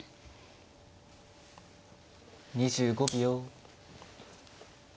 ２５秒。